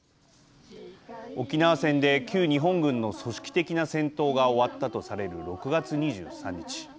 沖縄戦で旧日本軍の組織的な戦闘が終わったとされる６月２３日。